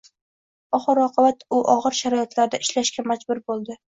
Oxir-oqibat u og‘ir sharoitlarda ishlashga majbur bo‘ldi